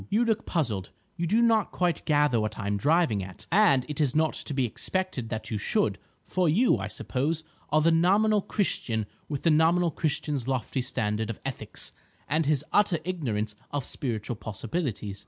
"You look puzzled. You do not quite gather what I am driving at; and it is not to be expected that you should, for you, I suppose, are the nominal Christian with the nominal Christian's lofty standard of ethics, and his utter ignorance of spiritual possibilities.